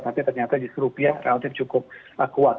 tapi ternyata di serupiah relatif cukup kuat